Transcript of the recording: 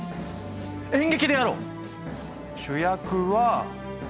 演劇でやろう！